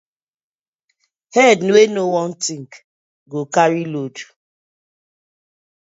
Head wey no wan think, go carry load: